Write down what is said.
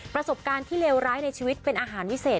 ประสบการณ์ที่เลวร้ายในชีวิตเป็นอาหารวิเศษ